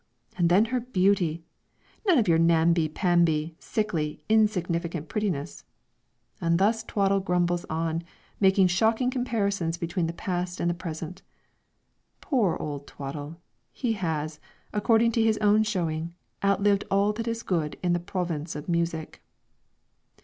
And then her beauty none of your namby pamby, sickly, insignificant prettiness." And thus Twaddle grumbles on, making shocking comparisons between the past and present. Poor old Twaddle! he has, according to his own showing, outlived all that is good in the province of music.